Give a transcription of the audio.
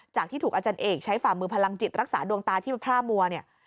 ที่ถูกอาจารย์เอกใช้ฝ่ามือพลังจิตรักษาดวงตาที่พร่ามัวเนี่ย